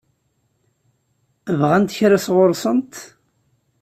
Bɣant kra sɣur-sent?